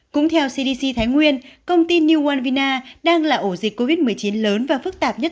cũng theo cdc thái nguyên công ty new wan vina đang là ổ dịch covid một mươi chín lớn và phức tạp nhất